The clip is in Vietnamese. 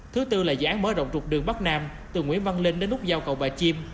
thứ tư là dự án mở rộng trục đường bắc nam từ nguyễn văn linh đến nút giao cầu bà chim